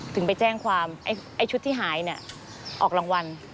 ถึงไปแจ้งความไอ้ชุดที่หายเนี่ยออกรางวัล